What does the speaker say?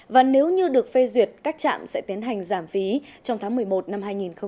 và nếu như được phê duyệt các trạm sẽ tiến hành giảm phí trong tháng một mươi một năm hai nghìn hai mươi